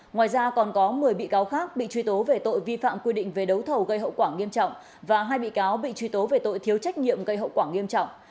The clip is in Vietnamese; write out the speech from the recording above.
ngoài ra còn có một mươi bị cáo khác bị truy tố về tội vi phạm quy định về đấu thầu gây hậu quả nghiêm trọng và hai bị cáo bị truy tố về tội thiếu trách nhiệm gây hậu quả nghiêm trọng